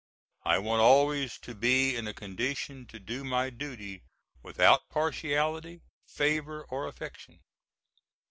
I want always to be in a condition to do my duty without partiality, favor, or affection.